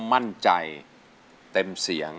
มั่นใจเต็มเสียง